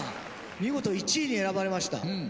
見事１位に選ばれました。